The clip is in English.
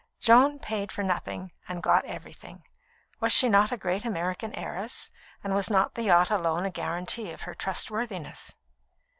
Joan paid for nothing, and got everything. Was she not a great American heiress, and was not the yacht alone a guarantee of her trustworthiness?